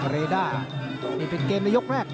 เรด้านี่เป็นเกมในยกแรก